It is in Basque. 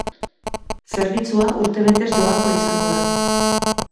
Zerbitzua urtebetez doakoa izango da.